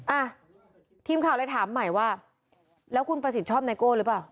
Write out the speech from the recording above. อ่ะทีมข่าวเลยถามใหม่ว่าแล้วคุณประสิทธิ์ชอบไนโก้หรือเปล่า